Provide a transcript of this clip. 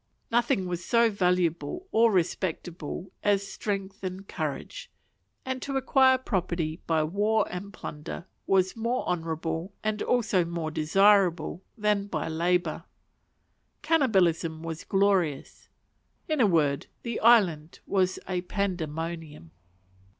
Nothing was so valuable or respectable as strength and courage, and to acquire property by war and plunder was more honourable and also more desirable than by labour. Cannibalism was glorious. In a word, the island was a pandemonium.